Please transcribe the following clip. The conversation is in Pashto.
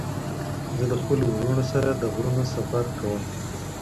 زه د خپلو ورونو سره د غرونو سفر کوم.